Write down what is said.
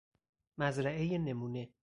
مزرعه نمونه